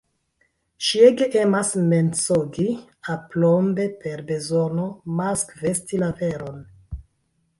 Ŝi ege emas mensogi, aplombe, per bezono maskvesti la veron.